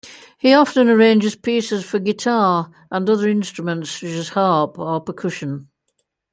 He often arranges pieces for guitar and other instruments such as harp or percussion.